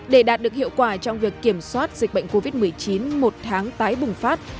để đạt được hiệu quả trong việc kiểm soát dịch bệnh covid một mươi chín một tháng tái bùng phát